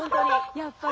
・やっぱり？